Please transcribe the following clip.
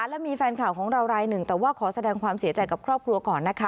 และมีแฟนข่าวของเรารายหนึ่งแต่ว่าขอแสดงความเสียใจกับครอบครัวก่อนนะคะ